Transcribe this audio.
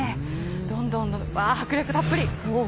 どんどん、わー、迫力たっぷり。